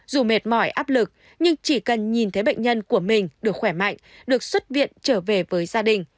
dù mệt mỏi áp lực nhưng chỉ cần nhìn thấy bệnh nhân của mình được khỏe mạnh được xuất viện trở về với gia đình